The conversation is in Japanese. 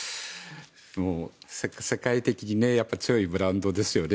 世界的に強いブランドですよね。